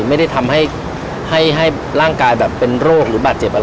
ไม่ได้ทำให้ร่างกายแบบเป็นโรคแบบเจ็บ